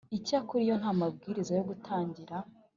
Icyakora iyo nta mabwiriza yo gutangira